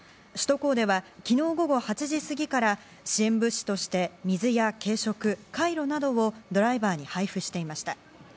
首都高では昨日午後８時過ぎから支援物資として水や軽食、カイロなどをドライバーに配布していました。